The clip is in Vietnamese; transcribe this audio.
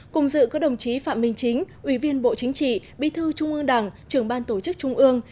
cùng dự có đồng chí phạm minh chính ủy viên bộ chính trị bi thư trung ương đảng trưởng ban tổ chức trung ương